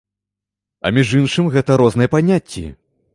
А між іншым, гэта розныя паняцці.